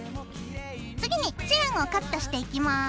次にチェーンをカットしていきます。